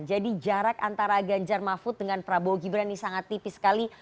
jadi jarak antara ganjar mafud dengan prabowo gibran ini sangat tipis sekali